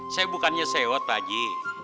saya bukannya sewot pak haji